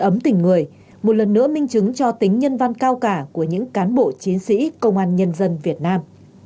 một lần nữa minh chứng cho tính nhân văn cao cả của những cán bộ chiến sĩ công an nhân dân việt nam